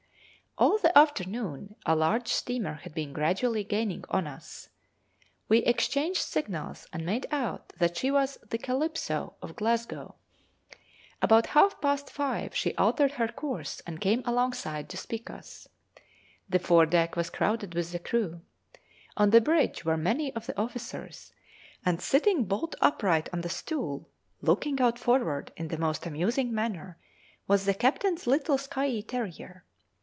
All the afternoon a large steamer had been gradually gaining on us. We exchanged signals and made out that she was the 'Calypso' (?) of Glasgow. About half past five she altered her course and came alongside to speak us. The fore deck was crowded with the crew. On the bridge were many of the officers; and sitting bolt upright on a stool, 'looking out forward' in the most amusing manner, was the captain's little Skye terrier.